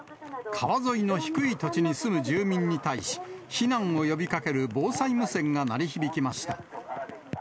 川沿いの低い土地に住む住民に対し、避難を呼びかける防災無線が鳴り響きました。